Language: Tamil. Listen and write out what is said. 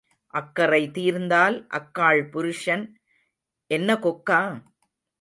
அக்கறை தீர்ந்தால் அக்காள் புருஷன் என்ன கொக்கா?